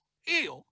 いいよ。